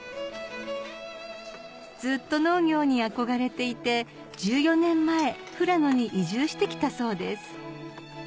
ずっと農業に憧れていて１４年前富良野に移住してきたそうです